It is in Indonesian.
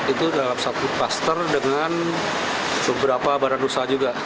itu dalam satu cluster dengan beberapa barang usaha juga